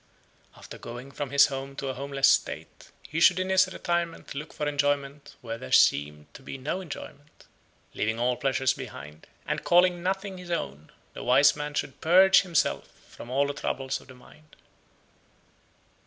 After going from his home to a homeless state, he should in his retirement look for enjoyment where there seemed to be no enjoyment. Leaving all pleasures behind, and calling nothing his own, the wise man should purge himself from all the troubles of the mind.